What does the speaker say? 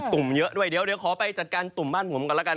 เยอะด้วยเดี๋ยวขอไปจัดการตุ่มบ้านผมกันแล้วกัน